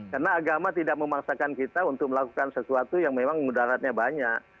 karena agama tidak memaksakan kita untuk melakukan sesuatu yang memang mudaratnya banyak